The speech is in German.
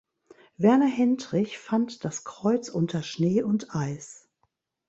Werner Hentrich fand das Kreuz unter Schnee und Eis.